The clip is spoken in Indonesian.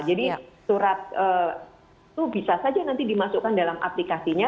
jadi surat itu bisa saja nanti dimasukkan dalam aplikasinya